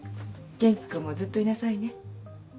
元気君もずっといなさいね。